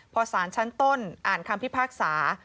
พอสารชั้นต้นอ่านคำพิพากษา